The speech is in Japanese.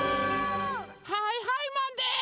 はいはいマンです！